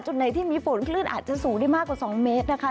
ไหนที่มีฝนคลื่นอาจจะสูงได้มากกว่า๒เมตรนะคะ